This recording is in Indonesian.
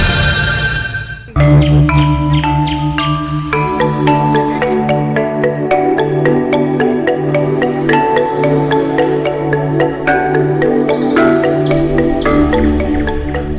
apa tidak boleh